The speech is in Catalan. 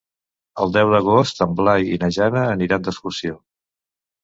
El deu d'agost en Blai i na Jana aniran d'excursió.